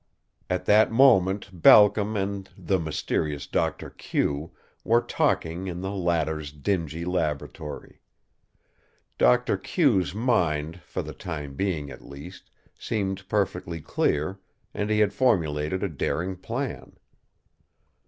At that moment Balcom and the mysterious Doctor Q were talking in the latter's dingy laboratory. Doctor Q's mind, for the time being, at least, seemed perfectly clear, and he had formulated a daring plan.